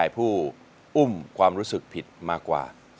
ผู้อุ้มความรู้สึกผิดมากกว่า